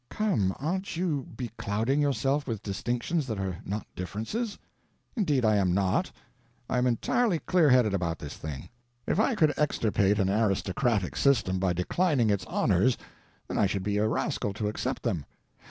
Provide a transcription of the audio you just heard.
"Come, aren't you beclouding yourself with distinctions that are not differences?" "Indeed I am not. I am entirely clear headed about this thing. If I could extirpate an aristocratic system by declining its honors, then I should be a rascal to accept them.